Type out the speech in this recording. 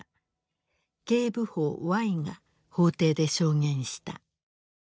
警部補Ｙが法廷で証言した。